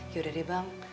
yaudah deh bang